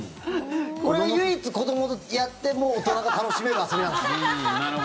これ唯一、子どもとやっても大人が楽しめる遊びなんです。